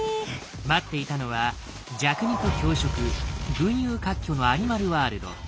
待っていたのは弱肉強食群雄割拠のアニマルワールド。